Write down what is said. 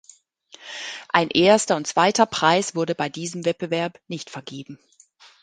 Ein erster und zweiter Preis wurde bei diesem Wettbewerb nicht vergeben.